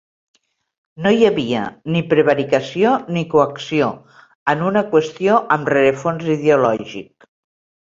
No hi havia ni prevaricació ni coacció en una qüestió amb rerefons ideològic.